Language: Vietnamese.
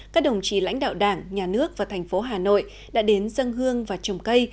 các đồng chí lãnh đạo đảng nhà nước và thành phố hà nội đã đến dân hương và trồng cây